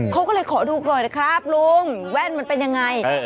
เขาก็เลยขอดูก่อนนะครับลุงแว่นมันเป็นยังไง